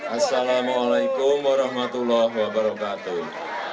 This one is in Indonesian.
assalamualaikum warahmatullahi wabarakatuh